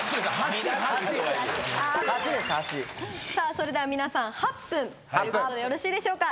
それでは皆さん「八分」でよろしいでしょうか。